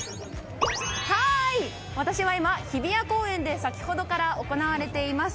私は今日比谷公園で先ほどから行われています